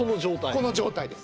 この状態です。